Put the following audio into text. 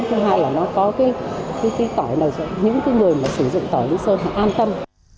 thứ hai là nó có cái cây tỏi nào cho những cái người mà sử dụng tỏi lý sơn là an tâm